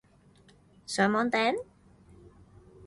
上網訂?